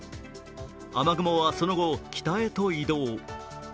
雨雲はその後、北へと移動。